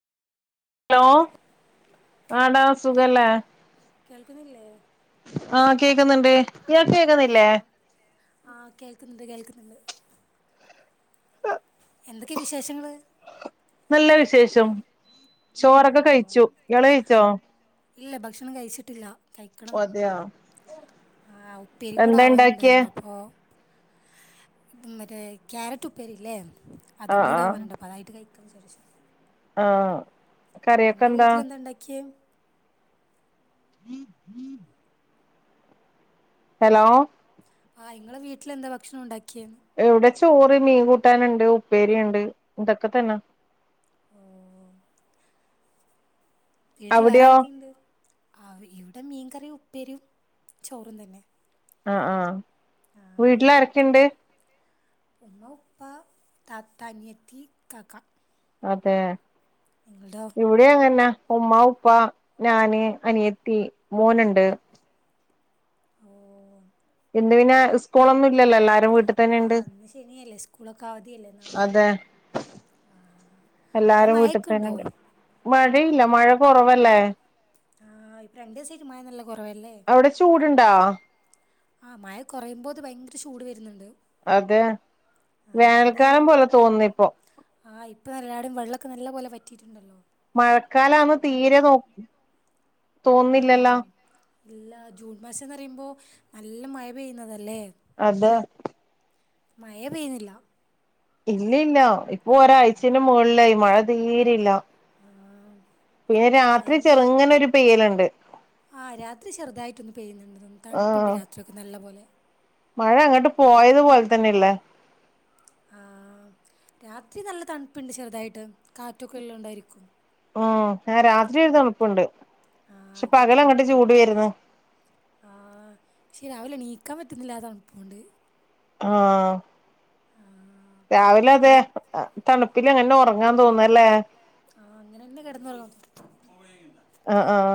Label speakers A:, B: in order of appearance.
A: Hello ആടാ സുഖല്ലേ?
B: കേൾക്കുന്നില്ലേ
A: ആഹ് കേക്ക്ന്ന്ണ്ട്. ഇയാക്ക് കേക്ക്ന്നില്ലേ?
B: ആഹ് ആഹ് കേൾക്ക്ന്ന്ണ്ട് കേൾക്ക്ന്ന്ണ്ട്. എന്തൊക്കെ വിശേഷങ്ങള്?
A: നല്ല വിശേഷം. ചോറൊക്കെ
B: ആഹ്
A: കഴിച്ചു. ഇങ്ങള് കഴിച്ചോ?
B: ഇല്ല ഭക്ഷണം കഴിച്ചിട്ടില്ല. കഴ്ക്കണം
A: അതെയോ
B: ആ ഉപ്പേരിം കൂടെ
A: എന്താ ഇണ്ടാക്കിയേ
B: ആവാനുണ്ടായിരുന്നു അപ്പൊ ഉം മറ്റേ ക്യാരറ്റുപ്പേരില്ലേ അതും
A: ആഹ്
B: കൂടെ
A: ആഹ്
B: ആവാനുണ്ട പ്പതായിട്ട് കഴിക്കാ വിചാരിച്ചു.
A: ആഹ്. കറിയൊക്കെ
B: നിങ്ങളെ
A: എന്താ
B: വീട്ടിലെന്താണ്ടാക്കിയേ?
A: ഹലോ
B: ആ ഇങ്ങളെ വീട്ടിലെന്താ ഭക്ഷണം ഉണ്ടാക്കിയേന്ന്?
A: എവ്ടെ ചോറ്, മീൻ കൂട്ടാന്ണ്ട്, ഉപ്പേരി ഇണ്ട് ഇതൊക്കെ തന്നെ.
B: ആഹ് വീട്ടില്
A: അവിടെയോ
B: വേറാരൊക്കെയുണ്ട്? ആഹ് ഇവിടെ മീൻകറിം, ഉപ്പേരിം, ചോറും തന്നെ.
A: ആഹ് ആഹ്
B: ആഹ്
A: വീട്ടിലാരൊക്കെണ്ട്?
B: ഉമ്മ, ഉപ്പ, താത്ത, അനിയത്തി, കാക്ക
A: അതെ.
B: ഇങ്ങൾതോ
A: ഇവിടിം അങ്ങന്നെ ഉമ്മ, ഉപ്പ, ഞാന്, അനിയത്തി, മോനുണ്ട്.
B: ഓഹ്
A: ഇന്ന് പിന്നെ സ്
B: ആഹ് ഇന്ന് ശനിയല്ലേ സ്കൂളൊക്കെ അവധിയല്ലേ നാളെയും.
A: അതെ
B: ആഹ് അവിടെ മഴക്ക്ണ്ടോ?
A: ഇവടില്ല മഴ കൊറവല്ലേ?
B: ആഹ് ഇപ്പൊ രണ്ടീസായിട്ട് മഴ നല്ല കൊറവല്ലേ?
A: അവ്ടെ ചൂട്ണ്ടോ?
B: ആഹ് മഴ കൊറയുമ്പോത് ഭയങ്കര ചൂട് വര്ന്നുണ്ട്.
A: അതെ വേനൽക്കാലം പോലെ തോന്നുന്നിപ്പോ.
B: ആഹ് ഇപ്പനെല്ലാടും വെള്ളൊക്കെ നല്ല പോലെ വറ്റിയിട്ടുണ്ടല്ലോ.
A: മഴക്കാലാന്ന് തീരെ തോ
B: ആ
A: തോന്നില്ലല്ലോ?
B: ഇല്ല ജൂൺ മാസ ന്നറയുമ്പോ നല്ല മഴ പെയ്യുന്നതല്ലേ?
A: അതെ.
B: മഴേ പെയ്തില്ല.
A: ഇല്ലയില്ല ഇപ്പൊ ഒരാഴ്ചൻ്റെ മൊകളിലായി മഴ തീരെയില്ല.
B: ആഹ്
A: പിന്നെ രാത്രി
B: ഇന്ന്
A: ചെറ്ങ്ങനൊരു പെയ്യല്ണ്ട്.
B: ആഹ് രാത്രി ചെറുതായിട്ടൊന്ന് പെയ്യുന്ന്ണ്ട് തൊന്ന് തൺപ്പ്ണ്ട്
A: ആഹ്
B: രാത്രിയൊക്കെ നല്ല പോലെ.
A: മഴ അങ്ങട്ട് പോയത് പോൽ തന്നെല്ലെ?
B: ആഹ് രാത്രി നല്ല തൺപ്പ്ണ്ട് ചെറുതായിട്ട് കാറ്റൊക്കെ ഉള്ളോണ്ടായിരിക്കും.
A: ആഹ് ഏ രാത്രി ഒരു തൺപ്പ്ണ്ട് ക്ഷെ
B: ആഹ്
A: പകലങ്ങട്ട്
B: കിടക്കുമ്പൊക്കെ
A: ചൂട് വരുന്നു.
B: ആഹ് ക്ഷെ രാവിലെ ണീക്കാൻ പറ്റുന്നില്ല ആ തൺപ്പോണ്ട്.
A: ആഹ്
B: ആഹ്
A: രാവിലതെ,
B: മോൻ
A: തണുപ്പിലങ്ങനെ ഒറങ്ങാൻ തോന്നാല്ലേ?
B: ആഹ് അങ്ങനെന്നെ കെടന്നുറങ്ങാൻ തോ
A: അഹ് ആഹ്